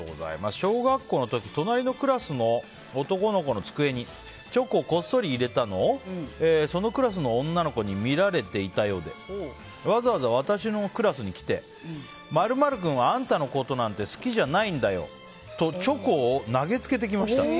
小学校の時隣のクラスの男の子の机にチョコをこっそり入れたのをそのクラスの女の子に見られていたようでわざわざ私のクラスに来て○○君は、あんたのことなんて好きじゃないんだよとチョコを投げつけてきました。